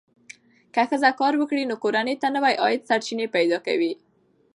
که ښځه کار وکړي، نو کورنۍ ته نوې عاید سرچینې پیدا کوي.